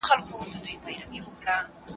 مولده پانګه تولیدي چارې پر مخ وړي.